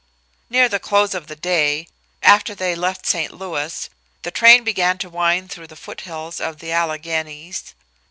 Near the close of the day, after they left St. Louis, the train began to wind through the foothills of the Alleghenies.